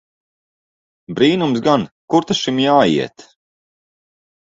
Brīnums gan! Kur ta šim jāiet!